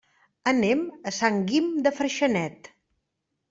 Anem a Sant Guim de Freixenet.